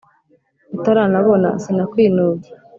utaranabona sinakwinubye